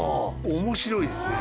面白いですね。